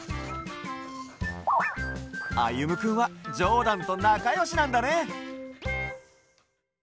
あゆむくんはジョーダンとなかよしなんだね！